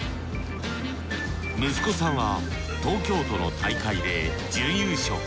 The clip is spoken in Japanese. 息子さんは東京都の大会で準優勝。